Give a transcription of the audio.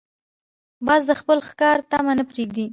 باز د خپل ښکار طمع نه پرېږدي